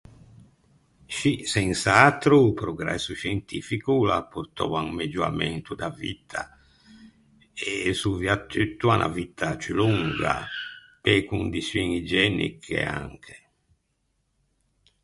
Scì, sens’atro o progresso scientifico o l’à portou à un megioamento da vitta. E soviatutto à unna vitta ciù longa pe-e condiçioin igieniche, anche.